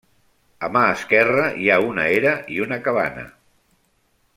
A mà esquerra hi ha una era i una cabana.